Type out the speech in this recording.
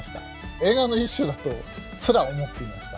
映画の一種だとすら思っていました。